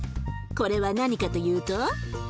これは何かというと。